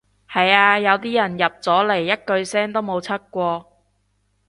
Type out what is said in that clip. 係呀，有啲人入咗嚟一句聲都冇出過